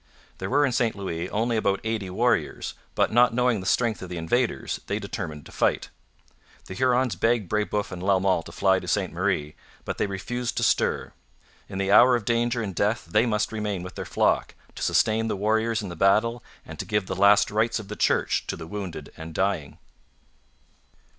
There were in St Louis only about eighty warriors, but, not knowing the strength of the invaders, they determined to fight. The Hurons begged Brebeuf and Lalemant to fly to Ste Marie; but they refused to stir. In the hour of danger and death they must remain with their flock, to sustain the warriors in the battle and to give the last rites of the Church to the wounded and dying.